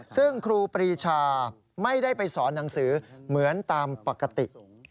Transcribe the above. ซึ่งครูปรีชาไม่ได้ไปสอนหนังสือเหมือนตามปกติ